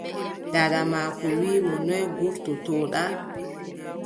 Daada maako wii mo, noy ngurtoto-ɗa?